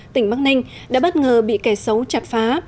tỉnh bắc ninh đã bất ngờ bị kẻ xấu chặt phá